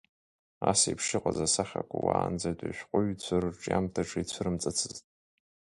Ас еиԥш иҟаз асахьақәа уаанӡатәи ашәҟәыҩҩцәа рырҿиамҭаҿы ицәырымҵыцызт.